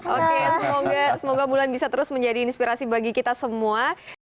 oke semoga bulan bisa terus menjadi inspirasi bagi kita semua